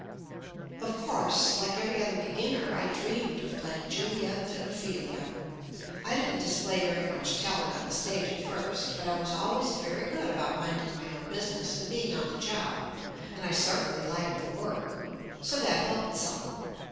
Of course, like every other beginner I dreamed of playing Juliet and Ophelia. I didn't display very much talent on the stage •at first, but I was always very good about minding my own business and being on the job, and I certainly liked the work, so that helped some.